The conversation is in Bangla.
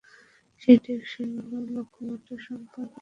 এটি টেকসই উন্নয়ন লক্ষ্যমাত্রা সমাপ্তির পরিকল্পনার জন্যও দায়ী।